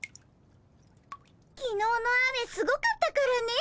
きのうの雨すごかったからね。